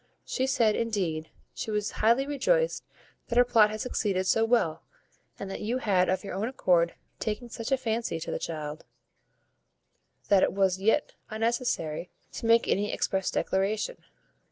She said, indeed, she was highly rejoiced that her plot had succeeded so well, and that you had of your own accord taken such a fancy to the child, that it was yet unnecessary to make any express declaration.